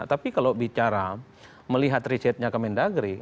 tapi kalau bicara melihat risetnya kementerian negeri